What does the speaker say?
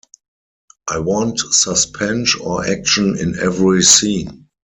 'I want suspense or action in every scene.